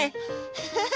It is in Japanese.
フフフ！